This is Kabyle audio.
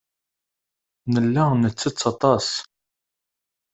Nella nettett aṭas.